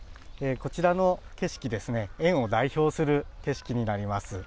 こちらの景色園を代表する景色になります。